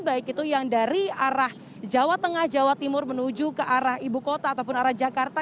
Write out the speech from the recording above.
baik itu yang dari arah jawa tengah jawa timur menuju ke arah ibu kota ataupun arah jakarta